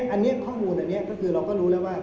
อันนี้ข้อมูลอันนี้ก็คือเราก็รู้แล้วว่า